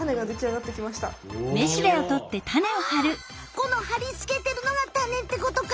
このはりつけてるのがタネってことか！